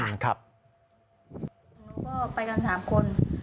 หนูก็ไปกัน๓คน